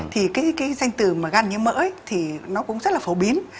thì cái danh từ mà gan như mỡ thì nó cũng rất là phổ biến